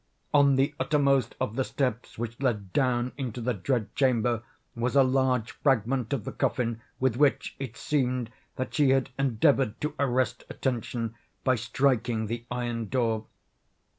On the uttermost of the steps which led down into the dread chamber was a large fragment of the coffin, with which, it seemed, that she had endeavored to arrest attention by striking the iron door.